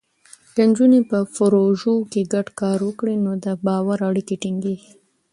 که نجونې په پروژو کې ګډ کار وکړي، نو د باور اړیکې ټینګېږي.